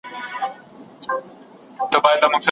هر علم خپل ځانګړي حدود لري.